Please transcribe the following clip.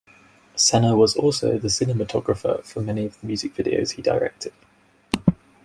Sena was also the cinematographer for many of the music videos he directed.